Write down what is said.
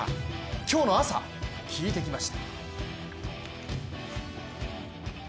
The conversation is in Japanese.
今日の朝、聞いてきました。